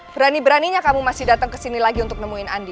berani beraninya kamu masih dateng kesini lagi untuk nemuin andi